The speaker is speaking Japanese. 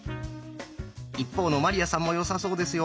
一方の鞠杏さんもよさそうですよ。